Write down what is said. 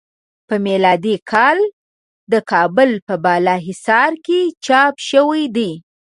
په میلادی کال د کابل په بالا حصار کې چاپ شوی دی.